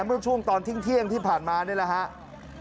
เมื่อช่วงตอนทิ้งเที่ยงที่ผ่านมานี่แหละครับ